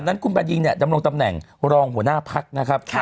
ขณะนั้นคุณบรรยิงเนี่ยจำลงตำแหน่งรองหัวหน้าพรรคนะครับ